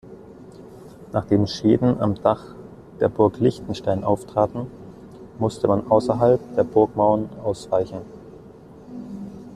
Nachdem Schäden am Dach der Burg Liechtenstein auftraten, musste man außerhalb der Burgmauern ausweichen.